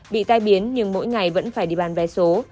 bị tai biến nhưng mỗi ngày vẫn phải đi bán vé số